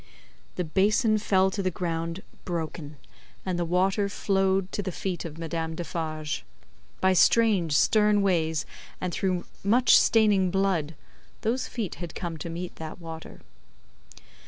The basin fell to the ground broken, and the water flowed to the feet of Madame Defarge. By strange stern ways, and through much staining blood, those feet had come to meet that water.